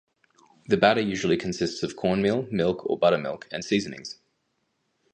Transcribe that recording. The batter usually consists of corn meal, milk or buttermilk, and seasonings.